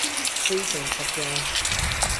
福井県勝山市